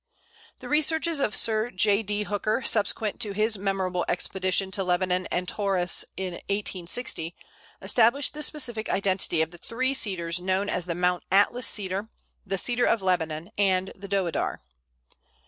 The researches of Sir J. D. Hooker, subsequent to his memorable expedition to Lebanon and Taurus in 1860, established the specific identity of the three Cedars known as the Mount Atlas Cedar, the Cedar of Lebanon, and the Deodar.